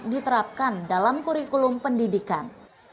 diterapkan dalam kurikulum pendidikan